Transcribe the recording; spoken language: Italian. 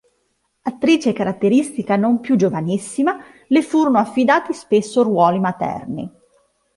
Attrice caratterista non più giovanissima, le furono affidati spesso ruoli materni.